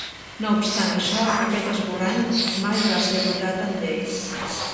No obstant això, aquest esborrany mai va ser votat en llei.